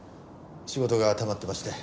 仕事がたまってまして。